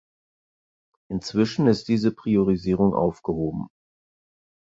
Inzwischen ist diese Priorisierung aufgehoben.